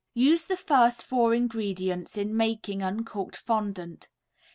Use the first four ingredients in making uncooked fondant.